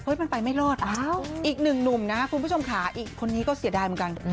มันไปไม่รอดอีกหนึ่งหนุ่มนะคุณผู้ชมค่ะอีกคนนี้ก็เสียดายเหมือนกัน